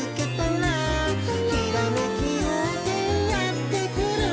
「ひらめきようせいやってくる」